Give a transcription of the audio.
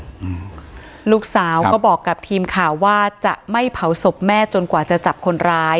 อืมลูกสาวก็บอกกับทีมข่าวว่าจะไม่เผาศพแม่จนกว่าจะจับคนร้าย